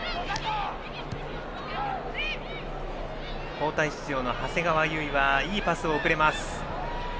交代出場の長谷川唯はいいパスを送れます。